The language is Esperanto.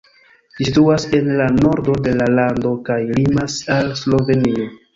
Ĝi situas en la nordo de la lando kaj limas al Slovenio.